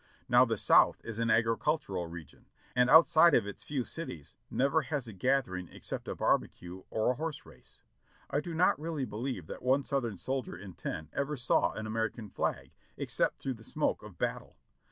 Now the South is an agricultural region, and outside of its few cities never has a gathering except a barbecue or a horse race. I do not really believe that one Southern soldier in ten ever saw an American flag, except through the smoke of battle.